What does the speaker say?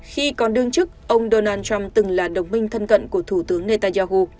khi còn đương chức ông donald trump từng là đồng minh thân cận của thủ tướng netanyahu